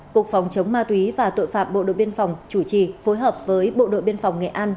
cục phòng chống ma túy và tội phạm bộ đội biên phòng chủ trì phối hợp với bộ đội biên phòng nghệ an